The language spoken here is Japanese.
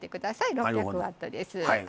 ６００ワットです。